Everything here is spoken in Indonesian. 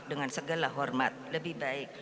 dengan segala hormat lebih baik